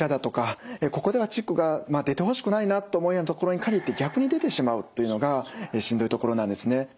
ここではチックが出てほしくないなと思うような所に限って逆に出てしまうというのがしんどいところなんですね。